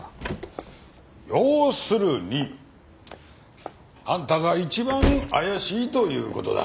要するにあんたが一番怪しいという事だ。